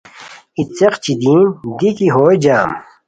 ای څیق چیدین دی کی ہوئے جم